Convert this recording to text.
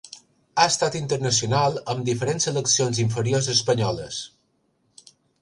Ha estat internacional amb diferents seleccions inferiors espanyoles.